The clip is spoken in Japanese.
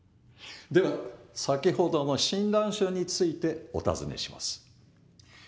では先ほどの診断書についてお尋ねします。